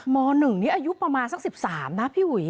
ม๑นี่อายุประมาณสัก๑๓นะพี่หุย